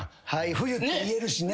冬って言えるしね。